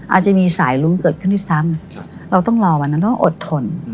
อาจจะมีสายลุ้งเกิดขึ้นด้วยซ้ำเราต้องรอวันนั้นต้องอดทน